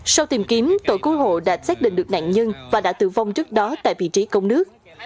sau tìm kiếm tội cứu hộ đã xác định được nạn nhân và đã tử vong trước đó tại vị trí cống nước